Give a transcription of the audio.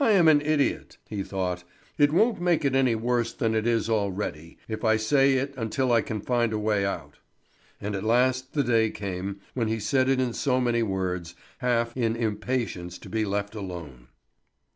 "I am an idiot," he thought. "It won't make it any worse than it is already if I say it until I can find a way out." And at last the day came when he said it in so many words, half in impatience to be left alone.